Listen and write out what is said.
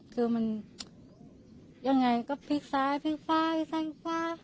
คือมันยังไงก็พลิกซ้ายพลิกฟ้าพลิกซ้ายฟ้า